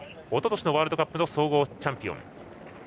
おととしのワールドカップの総合チャンピオン。